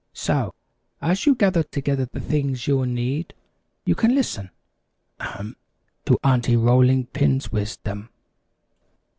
So, as you gather together the things you'll need, you can listen ahem! to Aunty Rolling Pin's Wisdom."